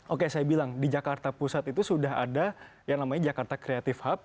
oke saya bilang di jakarta pusat itu sudah ada yang namanya jakarta creative hub